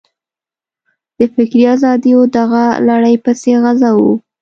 د فکري ازادیو دغه لړۍ پسې غځوو.